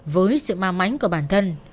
với sự ma mảnh của bản thân